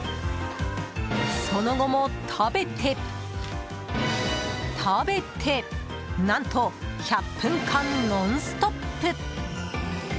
その後も食べて、食べて何と１００分間ノンストップ。